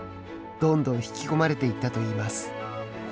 どんどん引き込まれていったといいます。